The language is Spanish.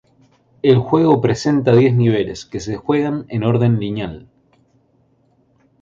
El juego presenta diez niveles que se juegan en orden lineal.